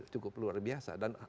cukup luar biasa dan